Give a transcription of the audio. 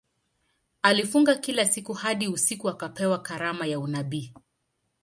Alifunga kila siku hadi usiku akapewa karama ya unabii.